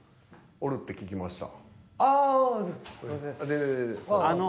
「おるって聞きました」。